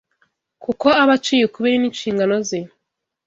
kuko aba aciye ukubiri n’inshingano ze